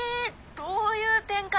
どういう展開？